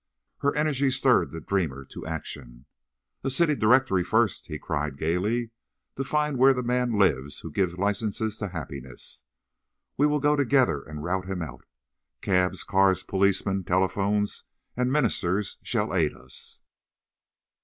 Her energy stirred the dreamer to action. "A city directory first," he cried, gayly, "to find where the man lives who gives licenses to happiness. We will go together and rout him out. Cabs, cars, policemen, telephones and ministers shall aid us."